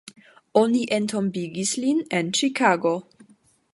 Oni entombigis lin en Ĉikago.